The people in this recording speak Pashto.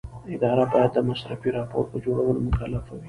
اداره باید د مصرفي راپور په جوړولو مکلفه وي.